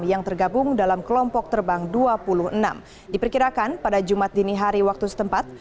yang tergabung dalam kelompok terbang dua puluh enam diperkirakan pada jumat dini hari waktu setempat